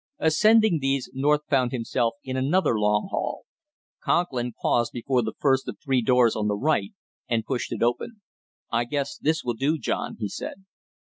Ascending these North found himself in another long hall. Conklin paused before the first of three doors on the right and pushed it open. "I guess this will do, John!" he said.